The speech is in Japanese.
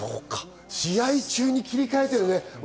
試合中に切り替えてるね。